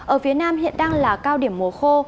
ở phía nam hiện đang là cao điểm mùa khô